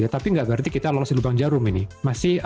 tapi nggak berarti kita lolos di lubang jarum ini